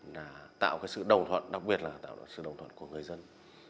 là tạo sự đồng thuận đặc biệt là tạo sự đồng thuận của người dân